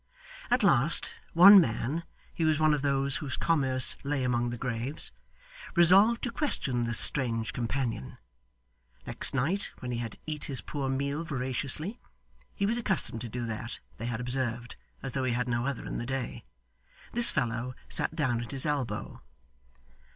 At last, one man he was one of those whose commerce lay among the graves resolved to question this strange companion. Next night, when he had eat his poor meal voraciously (he was accustomed to do that, they had observed, as though he had no other in the day), this fellow sat down at his elbow.